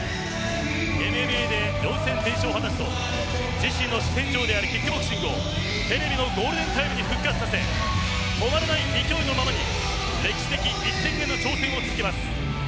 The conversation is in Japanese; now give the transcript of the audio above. ＭＭＡで４戦全勝を果たすと自身の主戦場であるキックボクシングをテレビのゴールデンタイムに復活させ止まらない勢いのままに歴史的一戦への挑戦を続けます。